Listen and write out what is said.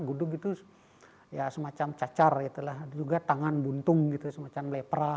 gudug itu semacam cacar juga tangan buntung semacam lepra